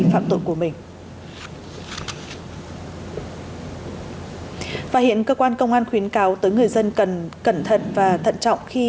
phạm tội của mình và hiện cơ quan công an khuyến cáo tới người dân cần cẩn thận và thận trọng khi